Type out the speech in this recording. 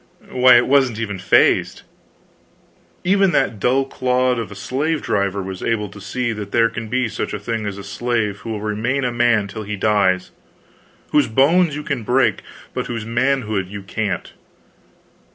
why, it wasn't even phased. Even that dull clod of a slave driver was able to see that there can be such a thing as a slave who will remain a man till he dies; whose bones you can break, but whose manhood you can't.